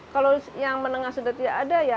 kalau yang menengah sudah tidak ada ya